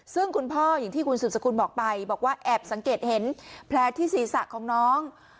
ซึ่งคุณพ่ออย่างที่คุณสืบสกุลบอกไปบอกว่าแอบสังเกตเห็นแผลที่ศีรษะของน้อง